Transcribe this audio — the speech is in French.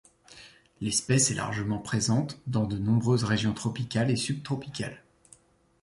L'espèce est largement présente dans de nombreuses régions tropicales et subtropicales.